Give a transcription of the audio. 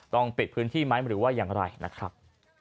ต้องปิดพื้นที่ไหมหรือว่าอย่างไรนะครับ